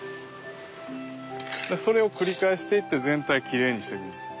それを繰り返していって全体きれいにしていくんです。